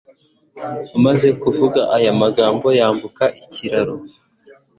Amaze kuvuga aya magambo yambuka ikiraro